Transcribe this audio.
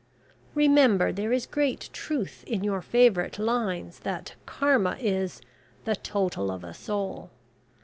Remember there is a great truth in your favourite lines that Karma is `the total of a soul.'